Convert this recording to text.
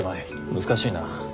難しいな。